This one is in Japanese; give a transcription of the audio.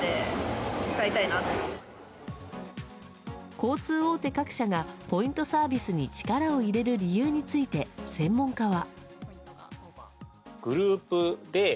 交通大手各社がポイントサービスに力を入れる理由について専門家は。